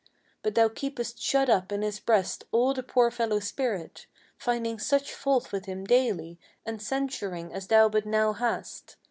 But thou keepest shut up in his breast all the poor fellow's spirit, Finding such fault with him daily, and censuring as thou but now hast."